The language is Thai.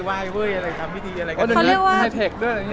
เมื่อกี้ไปไหว้อะไร